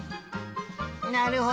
なるほど。